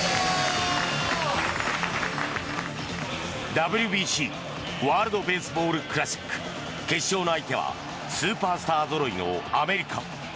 ＷＢＣ＝ワールド・ベースボール・クラシック決勝の相手はスーパースターぞろいのアメリカ。